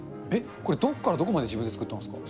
これ、どこからどこまで自分で作ったんですか？